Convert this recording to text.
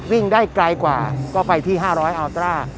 วิ่งได้ไกลกว่าก็ไปที่๕๐๐อัลตรา